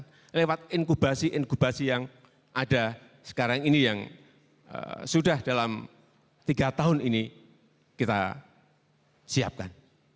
dan juga dengan alat inkubasi inkubasi yang ada sekarang ini yang sudah dalam tiga tahun ini kita siapkan